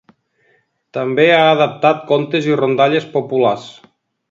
També ha adaptat contes i rondalles populars.